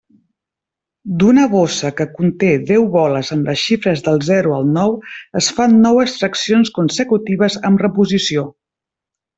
D'una bossa que conté deu boles amb les xifres del zero al nou es fan nou extraccions consecutives amb reposició.